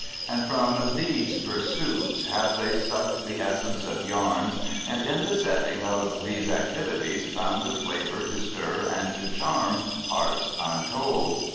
And from these pursuits have they sucked the essence of yarns and in the setting of these activities found a flavour to stir and to charm hearts untold.